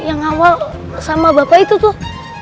yang awal sama bapak itu tuh